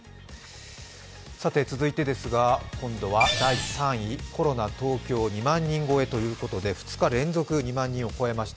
続いて、今度は第３位、コロナ、東京２万人超えということで、２日連続、２万人を超えました。